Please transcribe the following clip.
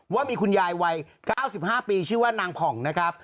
ว่ามีคุณยายวัย๙๕ปีชื่อว่านางผ่องนะครับ